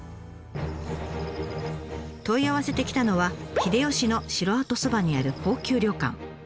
問い合わせてきたのは秀吉の城跡そばにある高級旅館。